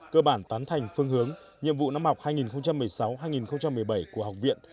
cơ bản tán thành phương hướng nhiệm vụ năm học hai nghìn một mươi sáu hai nghìn một mươi bảy của học viện